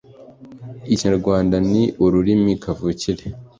ikinyarwanda ni ururimi kavukire